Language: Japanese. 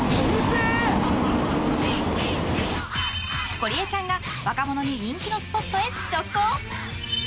ゴリエちゃんが若者に人気のスポットへ直行。